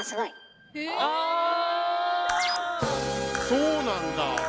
そうなんだ。